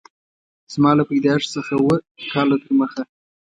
زما له پیدایښت څخه اووه کاله تر مخه